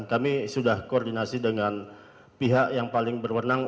kami sudah koordinasi dengan pihak yang paling berwenang